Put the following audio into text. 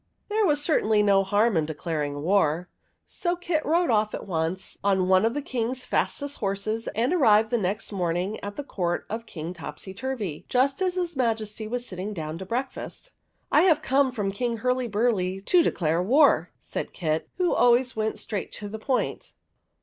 '' There was certainly no harm in declaring war; so Kit rode off at once on one of the King's fastest horses, and arrived the next morning at the court of King Topsyturvy, just as his Majesty was sitting down to breakfast. " I have come from King Hurlyburly to declare war," said Kit, who always went straight to the point.